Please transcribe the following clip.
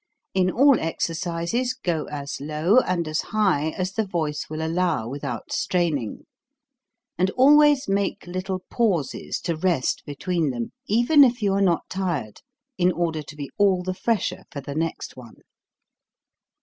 In all exercises go as low and as high as the voice will allow without straining, and always make little pauses to rest between them, even if you are not tired, in order to be all the fresher for the next one.